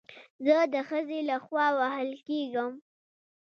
زه د ښځې له خوا وهل کېږم